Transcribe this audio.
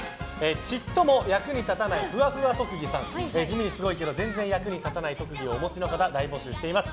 ちっとも役に立たないふわふわ特技さん地味にすごいけど全然役に立たない特技をお持ちの方を大募集しています。